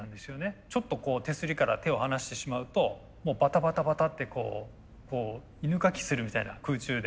ちょっと手すりから手を離してしまうともうバタバタバタって犬かきするみたいな空中で。